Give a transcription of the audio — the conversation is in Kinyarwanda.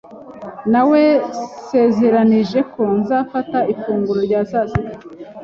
Nawesezeranije ko nzafata ifunguro rya sasita.